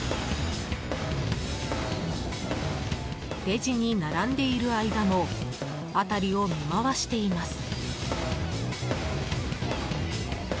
レジに並んでいる間も辺りを見回しています。